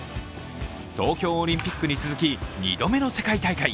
東京オリンピックに続き、２度目の世界大会。